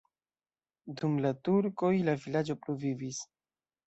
Dum la turkoj la vilaĝo pluvivis.